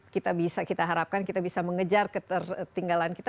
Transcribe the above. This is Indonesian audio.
kita bisa kita harapkan kita bisa mengejar ketertinggalan kita